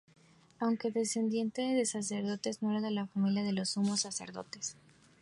Aunque descendiente de sacerdotes, no era de la familia de los sumos sacerdotes.